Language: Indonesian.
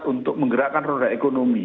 untuk menggerakkan roda ekonomi